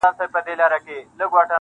ښایسته د پاچا لور وم پر طالب مینه سومه-